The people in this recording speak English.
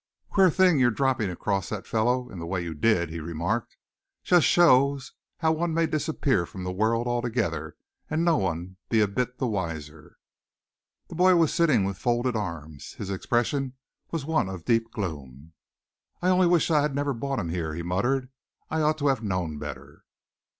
"Queer thing your dropping across that fellow in the way you did," he remarked. "Just shows how one may disappear from the world altogether, and no one be a bit the wiser." The boy was sitting with folded arms. His expression was one of deep gloom. "I only wish I'd never brought him here," he muttered. "I ought to have known better."